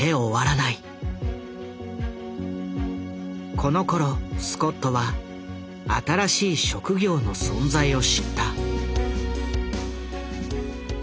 このころスコットは新しい職業の存在を知った。